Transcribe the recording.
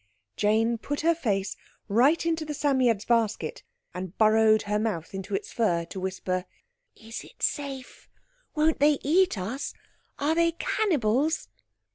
Jane put her face right into the Psammead's basket, and burrowed her mouth into its fur to whisper— "Is it safe? Won't they eat us? Are they cannibals?"